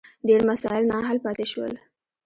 ډېر مسایل نا حل پاتې شول.